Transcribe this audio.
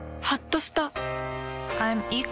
はっとした。